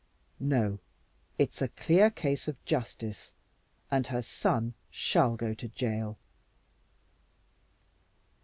No, it's a clear case of justice, and her son shall go to jail."